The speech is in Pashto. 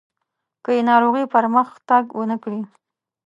که یې ناروغي پرمختګ ونه کړي.